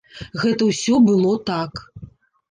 Гэта ўсё было так.